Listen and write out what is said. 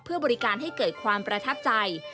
เพื่อบริการให้เกิดความประทับใจ